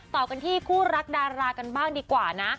ต่อกันที่คู่รักดารากันบ้างดีกว่านะ